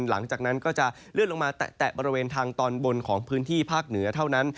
หลังจากนั้นก็จะเลื่อนลงมาแตะบริเวณทางตอนบนของพื้นที่ภาคเหนือเท่านั้น